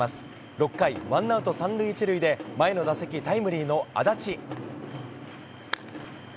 ６回、ワンアウト３塁１塁で前の打席タイムリーの安達。